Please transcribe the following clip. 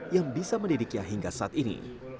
yang bisa mendidiknya hingga saat ini